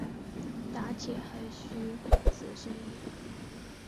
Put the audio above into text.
打铁还需自身硬。